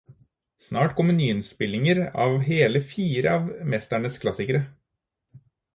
Snart kommer nyinnspillinger av hele fire av mesterens klassikere.